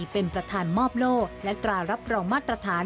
เป็นประธานมอบโล่และตรารับรองมาตรฐาน